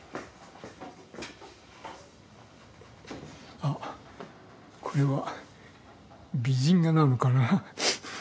あっこれは美人画なのかな。